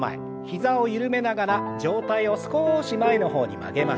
膝を緩めながら上体を少し前の方に曲げましょう。